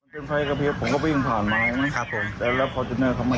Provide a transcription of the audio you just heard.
เป็นไฟกระพริบผมก็วิ่งผ่านมานะครับผมแล้วแล้วฟอร์จูเนอร์เขาไม่